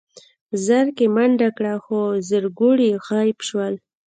زرکې منډه کړه خو زرکوړي غيب شول.